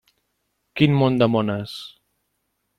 Quin món de mones.